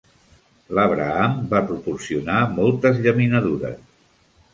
L'Abraham va proporcionar moltes llaminadures.